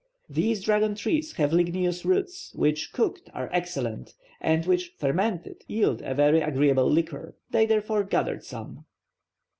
These dragon trees have ligneous roots which, cooked, are excellent, and which, fermented, yield a very agreeable liquor. They therefore gathered some.